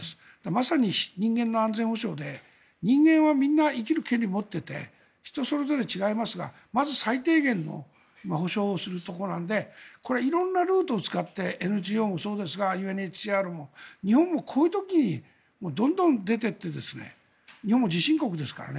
まさに人間の安全保障で人間はみんな生きる権利を持っていて人それぞれ違いますがまず最低限の保障をするところなのでこれ、色んなルートを使ってＮＧＯもそうですがＵＮＨＣＲも日本もこういう時にどんどん出ていって日本も地震国ですから。